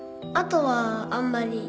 あとはあんまり